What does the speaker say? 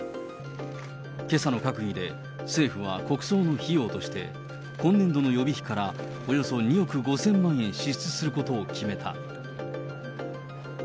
けさの閣議で、政府は国葬の費用として、今年度の予備費からおよそ２億５０００万円支出することを決めた。